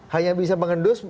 hanya bisa mengendus